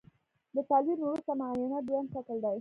د تلوین وروسته معاینه دویم شکل دی.